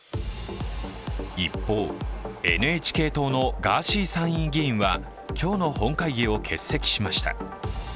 一方、ＮＨＫ党のガーシー参院議員は今日の本会議を欠席しました。